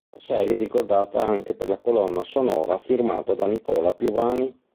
La serie è ricordata anche per la colonna sonora firmata da Nicola Piovani.